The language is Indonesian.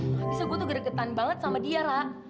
nggak bisa gue tuh geregetan banget sama dia ra